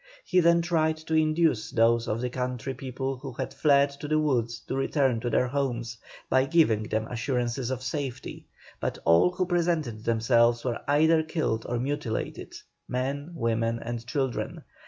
He then tried to induce those of the country people who had fled to the woods to return to their homes, by giving them assurances of safety, but all who presented themselves were either killed or mutilated, men, women and children.